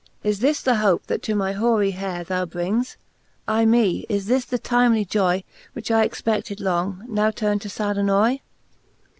>• Is this the hope, that to my hoary heare Thou brings ? Aie me ! is this the timely joy , Which I expedied long, now turnd to fad annoy?